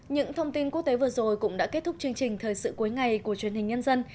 những thông tin quốc tế vừa rồi cũng đã kết thúc chương trình thời sự cuối ngày của truyền hình nhân dân